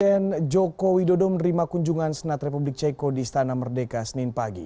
presiden joko widodo menerima kunjungan senat republik ceko di istana merdeka senin pagi